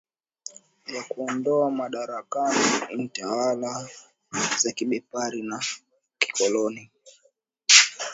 Ya kuondoa madarakani tawala za kibepari na kikoloni